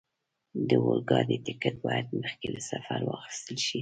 د اورګاډي ټکټ باید مخکې له سفره واخستل شي.